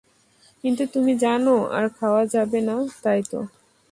কিন্তু তুমি জানো আর খাওয়া যাবে না, তাই তো?